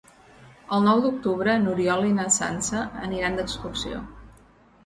El nou d'octubre n'Oriol i na Sança aniran d'excursió.